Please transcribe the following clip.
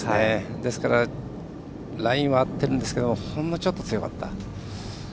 ですからラインは合ってるんですけどほんのちょっと強かった。